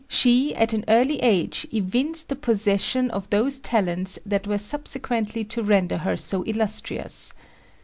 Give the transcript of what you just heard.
she at an early age evinced the possession of those talents that were subsequently to render her so illustrious.